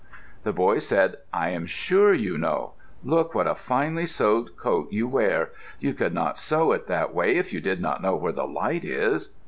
The boy said, "I am sure you know. Look what a finely sewed coat you wear. You could not sew it that way if you did not know where the light is."